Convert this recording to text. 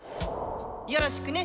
よろしくね！